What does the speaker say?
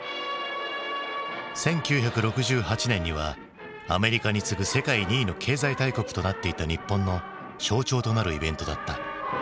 １９６８年にはアメリカに次ぐ世界２位の経済大国となっていた日本の象徴となるイベントだった。